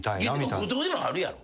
後藤でもあるやろ？